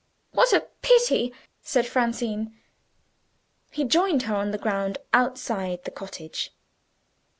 "What a pity!" said Francine. He joined her on the ground outside the cottage.